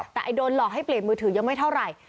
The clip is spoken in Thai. แต่โดนหลอกให้เปลี่ยนมือถือยังไม่เท่าไหร่